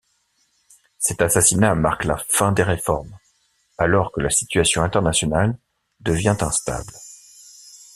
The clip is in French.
Cet assassinat marque la fin des réformes, alors que la situation internationale devient instable.